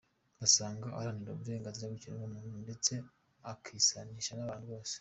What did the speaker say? Basanga aharanira uburenganzira bw’ikiremwamuntu, ndetse akisanisha n’abantu bose.